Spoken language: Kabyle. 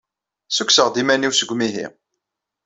Ssukkseɣ-d iman-inu seg umihi.